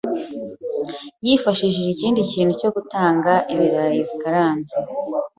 yifashishije ikindi kintu cyo gutanga ibirayi bikaranze.